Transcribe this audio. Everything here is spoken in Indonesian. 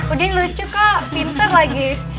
udin lucu kok pinter lagi